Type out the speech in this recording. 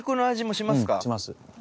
します。